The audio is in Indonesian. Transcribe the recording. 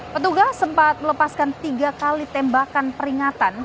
petugas sempat melepaskan tiga kali tembakan peringatan